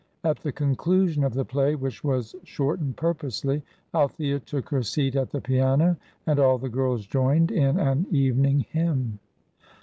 At the conclusion of the play, which was shortened purposely, Althea took her seat at the piano, and all the girls joined in an evening hymn.